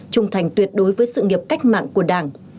trung thành tuyệt đối với sự nghiệp cách mạng của đảng